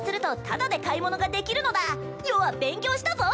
タダで買い物ができるのだ余は勉強したぞ